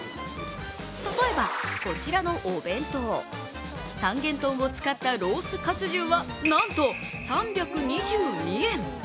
例えばこちらのお弁当三元豚を使ったロースかつ重はなんと３２２円。